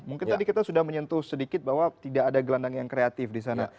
mungkin tadi kita sudah menyentuh sedikit bahwa tidak ada gelandang yang kreatif di sana